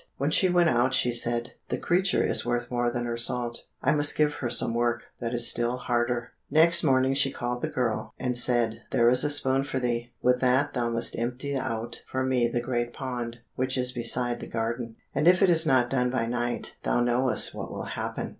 When she went out she said, "The creature is worth more than her salt. I must give her some work that is still harder." Next morning she called the girl, and said, "There is a spoon for thee; with that thou must empty out for me the great pond which is beside the garden, and if it is not done by night, thou knowest what will happen."